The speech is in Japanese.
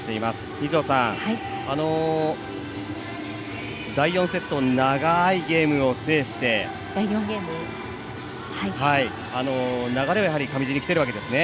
二條さん、第４ゲーム長いゲームを制して流れは、やはり上地にきているわけですね。